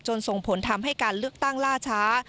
ส่งผลทำให้การเลือกตั้งล่าช้า